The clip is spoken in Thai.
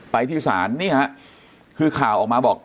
ที่ศาลนี่ฮะคือข่าวออกมาบอก